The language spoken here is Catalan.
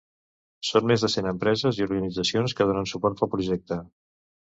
Són més de cent empreses i organitzacions que donen suport al projecte.